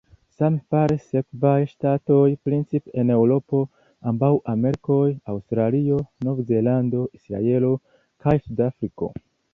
Same faris sekvaj ŝtatoj, principe en Eŭropo, ambaŭ Amerikoj, Aŭstralio, Nov-Zelando, Israelo kaj Sud-Afriko.